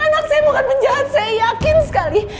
anak saya bukan penjahat saya yakin sekali